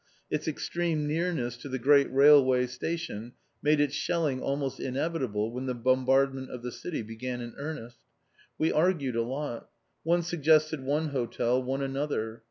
Its extreme nearness to the great railway station made its shelling almost inevitable when the bombardment of the city began in earnest. We argued a lot. One suggested one hotel, one another.